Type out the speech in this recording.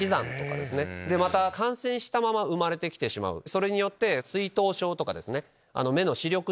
それによって。